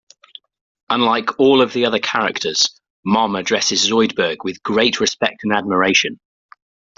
Unlike all of the other characters, Mom addresses Zoidberg with great respect and admiration.